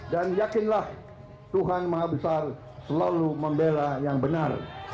dan yakinlah tuhan maha besar selalu membela yang benar